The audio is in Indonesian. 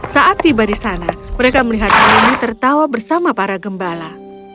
saat tiba di sana mereka melihat mama tertawa bersama para gembala